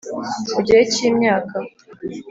Mu gihe cy’imyaka